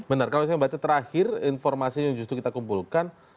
benar kalau saya baca terakhir informasi yang justru kita kumpulkan